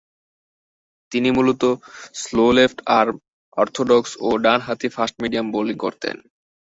তিনি মূলতঃ slow left arm orthodox ও ডানহাতি ফাস্ট মিডিয়াম বোলিং করতেন।